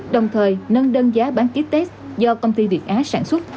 đồng thời nâng đơn giá bán ký test do công ty việt á sản xuất